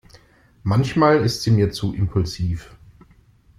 Manchmal ist sie mir zu impulsiv.